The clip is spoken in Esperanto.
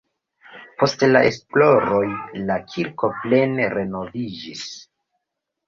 Post la esploroj la kirko plene renoviĝis.